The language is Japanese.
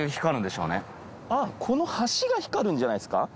この橋が光るんじゃないですか？